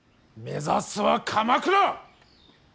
目指すは鎌倉！